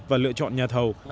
và lựa chọn nhà thầu